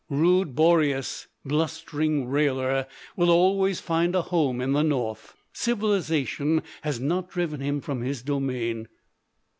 Rude Boreas, "blustering railer," will always find a home in the north. Civilization has not driven him from his domain.